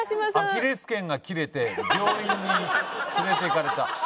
アキレス腱が切れて病院に連れていかれた。